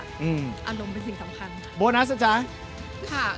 อารมณ์เป็นสิ่งสำคัญค่ะ